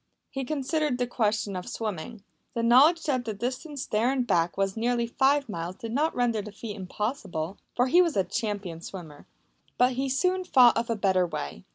He considered the question of swimming. The knowledge that the distance there and back was nearly five miles did not render the feat impossible, for he was a champion swimmer. But he soon thought of a better way.